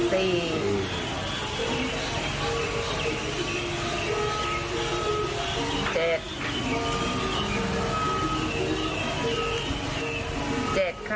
นี่นะคะ